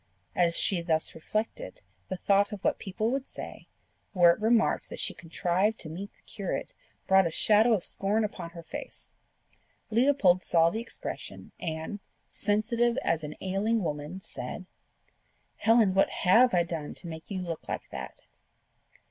As she thus reflected, the thought of what people would say, were it remarked that she contrived to meet the curate, brought a shadow of scorn upon her face. Leopold saw the expression, and, sensitive as an ailing woman, said, "Helen, what HAVE I done to make you look like that?"